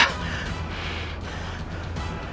itu pasti mereka